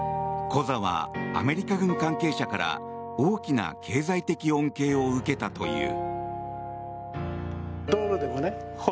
コザはアメリカ軍関係者から大きな経済的恩恵を受けたという。